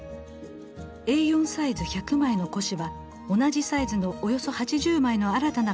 Ａ４サイズ１００枚の古紙は同じサイズのおよそ８０枚の新たな紙に生まれ変わります。